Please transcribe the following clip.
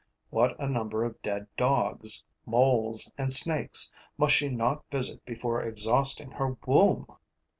What a number of dead dogs, moles and snakes must she not visit before exhausting her womb!